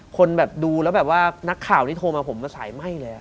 คนแบบดูแล้วแบบว่านักข่าวที่โทรมาผมก็สายไหม้เลย